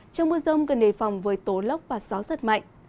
trong mưa rông gần nề phòng với tố lốc và gió giật mạnh